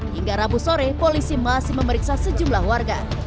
hingga rabu sore polisi masih memeriksa sejumlah warga